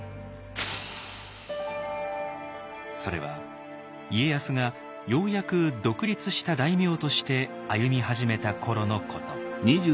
それは家康がようやく独立した大名として歩み始めた頃のこと。